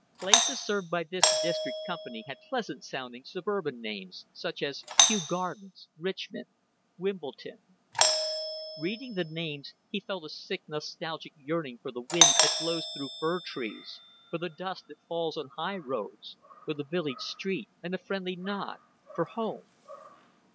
Places served by this District Company had pleasant sounding suburban names such as Kew Gardens, Richmond, Wimbledon. Reading the names, he felt a sick nostalgic yearning for the wind that blows through fir trees, for the dust that falls on highroads, for the village street and the friendly nod for home.